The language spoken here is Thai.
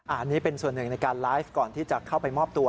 อันนี้เป็นส่วนหนึ่งในการไลฟ์ก่อนที่จะเข้าไปมอบตัว